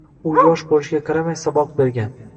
U yosh bo‘lishiga qaramay, saboq bergan.